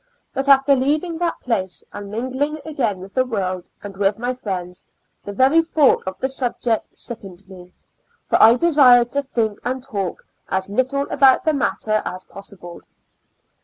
But after leaving that place, and mingling again with the world and with my friends, the very thought of the subject sickened me, for I desired to think and talk as little about the matter as possible.